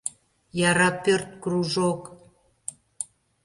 Яра пӧрт... кружок.